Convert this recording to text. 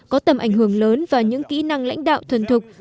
có tầm ảnh hưởng lớn và những kỹ năng lãnh đạo thuần thục